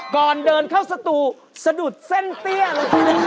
ก่อนเดินเข้าสตูสะดุดเส้นเตี้ยเลยทีนี้